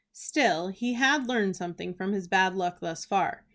Still he had learned something from his bad luck thus far.